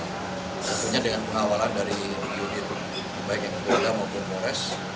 akhirnya dengan pengawalan dari unit baik yang berada maupun polres